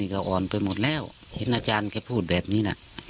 ก็อ่อนไปหมดแล้วเห็นอาจารย์แกพูดแบบนี้นะ